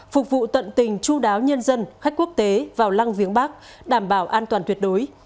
phục vụ tận tình chú đáo nhân dân khách quốc tế vào lăng viếng bắc đảm bảo an toàn tuyệt đối